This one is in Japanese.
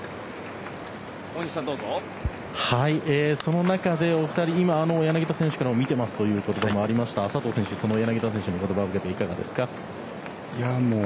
その中でお二人柳田選手からも見ているという話ですが佐藤選手柳田選手の言葉を受けていかがですか。